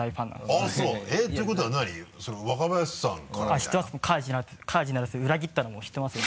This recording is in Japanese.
知ってますカージナルス裏切ったのも知ってますよ。